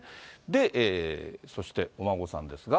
で、そしてお孫さんですが。